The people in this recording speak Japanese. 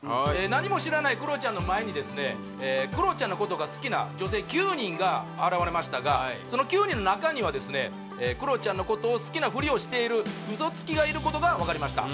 何も知らないクロちゃんの前にですねクロちゃんのことが好きな女性９人が現れましたがその９人の中にはですねクロちゃんのことを好きなフリをしているウソつきがいることが分かりました